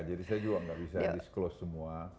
jadi saya juga gak bisa disclose semua